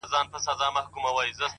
هره هڅه د بریا پر لور ګام دی